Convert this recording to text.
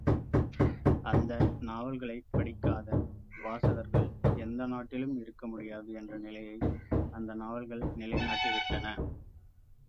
அந்த நாவல்களைப் படிக்காத வாசகர்கள் எந்த நாட்டிலும் இருக்க முடியாது என்ற நிலையை அந்த நாவல்கள் நிலைநாட்டி விட்டன.